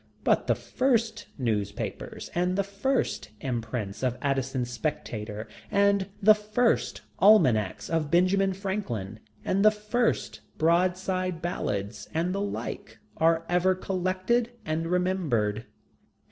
But the first newspapers, and the first imprints of Addison's Spectator, and the first Almanacs of Benjamin Franklin, and the first broadside ballads and the like, are ever collected and remembered.